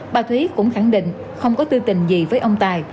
bà thúy cũng khẳng định không có tư tình gì với ông tài